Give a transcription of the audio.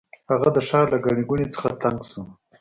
هغه د ښار له ګڼې ګوڼې څخه تنګ شو.